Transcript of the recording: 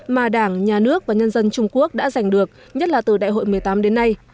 mà đảng nhà nước và nhân dân trung quốc đã giành được nhất là từ đại hội một mươi tám đến nay